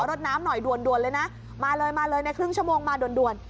รถน้ำหน่อยด่วนเลยนะมาเลยมาเลยในครึ่งชั่วโมงมาด่วน